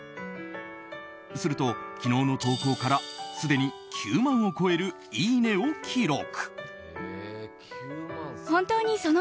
すると、昨日の投稿からすでに９万を超えるいいねを記録。